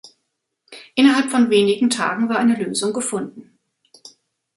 Innerhalb von wenigen Tagen war eine Lösung gefunden.